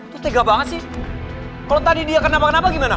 terus tega banget sih kalau tadi dia kenapa kenapa gimana